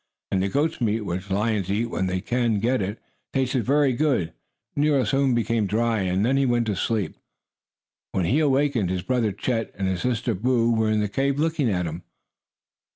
And the goat's meat, which lions eat when they can get it, tasted very good. Nero soon became dry and then he went to sleep. When he awakened his brother Chet and his sister Boo were in the cave looking at him.